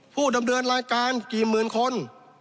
ผู้ดำเนินรายการกี่หมื่นคน